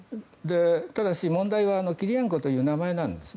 ただし問題はキリエンコという名前なんです。